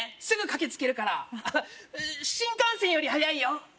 すぐ駆けつけるから新幹線より速いよ